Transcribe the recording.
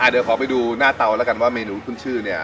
เดี๋ยวขอไปดูหน้าเตาแล้วกันว่าเมนูขึ้นชื่อเนี่ย